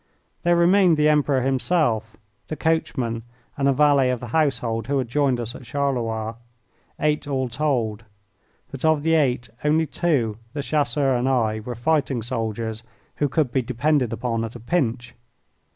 There remained the Emperor himself, the coachman, and a valet of the household who had joined us at Charleroi eight all told; but of the eight only two, the Chasseur and I, were fighting soldiers who could be depended upon at a pinch.